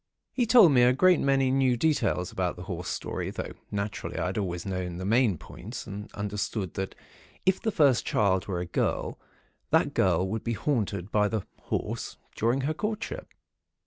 He told me a great many new details about the horse story; though, naturally, I had always known the main points, and understood that if the first child were a girl, that girl would be haunted by the Horse, during her courtship.